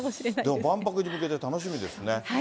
万博に向けて楽しみですね。